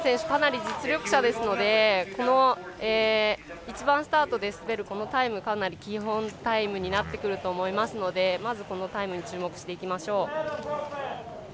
かなり実力者ですので１番スタートで滑るこのタイムが、かなり基本タイムになると思いますのでまずこのタイムに注目しましょう。